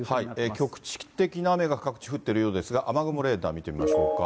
局地的な雨が各地降っているようですが、雨雲レーダー見てみましょうか。